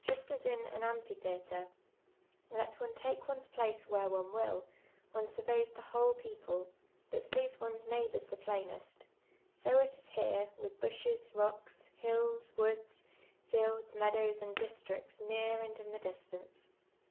Just as in an amphitheatre, let one tidvc ones place where one will, one sur veys the whole people, but sees one's nei<>:hboui s the i)lainest, 60 it is here with bushes, rocks, hills, woo<ls, fields, meadows, and districts near and in the distimce.